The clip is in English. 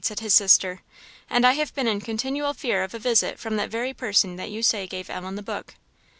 said his sister; "and I have been in continual fear of a visit from that very person that you say gave Ellen the book."